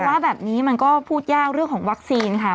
ว่าแบบนี้มันก็พูดยากเรื่องของวัคซีนค่ะ